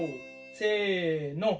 せの。